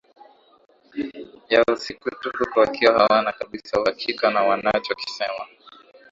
ya usiku tu huku wakiwa hawana kabisa uhakika na wanacho kisema